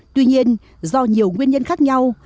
tuy nhiên do nhiều nguyên nhân khác nhau